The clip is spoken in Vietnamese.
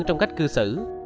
trong cách cư xử